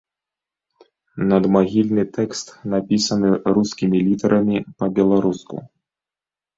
Надмагільны тэкст напісаны рускімі літарамі па-беларуску.